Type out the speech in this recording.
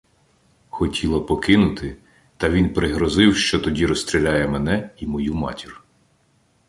Хотіла покинути, та він пригрозив, що тоді розстріляє мене і мою матір.